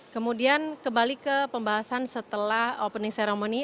kemudian kembali ke pembahasan setelah opening ceremony